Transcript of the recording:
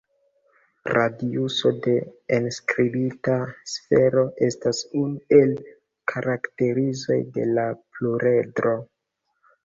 Radiuso de enskribita sfero estas unu el karakterizoj de la pluredro.